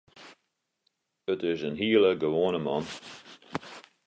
It is in hiele gewoane man.